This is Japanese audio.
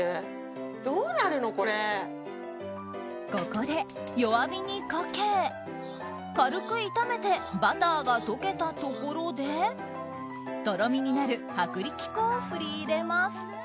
ここで弱火にかけ、軽く炒めてバターが溶けたところでとろみになる薄力粉を振り入れます。